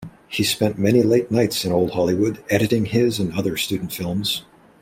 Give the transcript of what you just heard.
He spent many late nights in old Hollywood editing his and other student films.